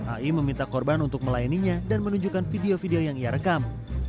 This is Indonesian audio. ai meminta korban untuk melayaninya dan menunjukkan video video yang ia rekam